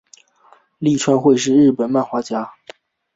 立川惠是日本漫画家。